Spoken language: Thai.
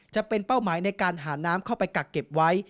จะเป็นเป้าหมายในการหาน้ำเข้าไปกักเก็บไว้